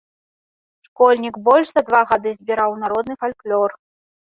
Школьнік больш за два гады збіраў народны фальклор.